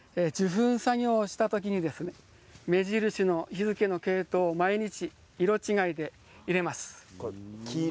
作業をしたときに目印の日付の毛糸を色違いで入れます。